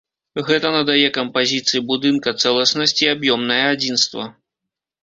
Гэта надае кампазіцыі будынка цэласнасць і аб'ёмнае адзінства.